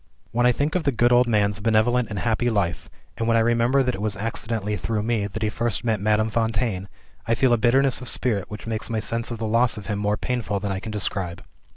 "When I think of the good old man's benevolent and happy life, and when I remember that it was accidentally through me that he first met Madame Fontaine, I feel a bitterness of spirit which makes my sense of the loss of him more painful than I can describe.